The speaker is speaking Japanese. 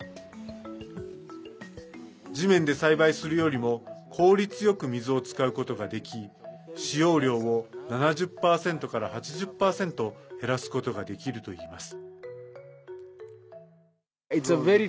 地面で栽培するよりも効率よく水を使うことができ使用量を７０％から８０％減らすことができるといいます。